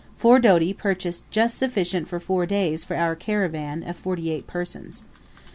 Four doti purchased just sufficient for four days for our caravan of forty eight persons.